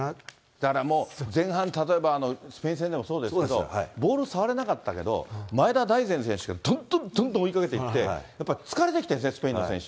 だからもう、前半、例えば、スペイン戦でもそうですけど、ボール触れなかったけど、前田大然選手がどんどんどんどん追いかけていって、やっぱり疲れてきてる、スペインの選手。